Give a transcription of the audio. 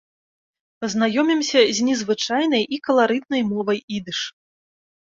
Пазнаёмімся з незвычайнай і каларытнай мовай ідыш.